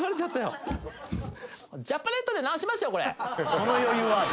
その余裕はある。